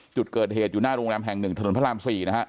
จุดเกิดเหตุอยู่หน้าโรงแรมแห่ง๑ถนนพระราม๔นะฮะ